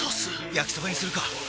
焼きそばにするか！